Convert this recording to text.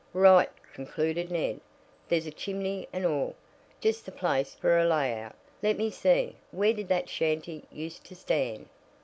"Right," concluded Ned; "there's a chimney and all. Just the place for a layout. Let me see, where did that shanty used to stand?"